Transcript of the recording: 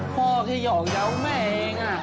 พ่อแค่หยอกเจ้าแม่เองอ่ะ